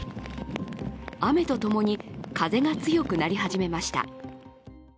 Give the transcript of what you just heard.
雨とともに風が強くなり始めました。